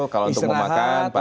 kalau untuk memakan